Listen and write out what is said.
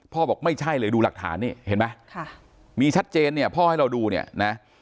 บอกไม่ใช่เลยดูหลักฐานนี่เห็นไหมมีชัดเจนเนี่ยพ่อให้เราดูเนี่ยนะ